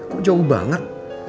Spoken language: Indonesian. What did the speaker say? kok jauh banget